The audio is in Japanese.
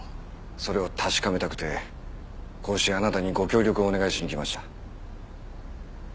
それを確かめたくてこうしてあなたにご協力をお願いしに来ました。